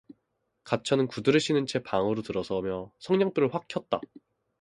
기천은 구두를 신은 채 방으로 들어서며 성냥불을 확 켰다.